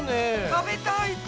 食べたい！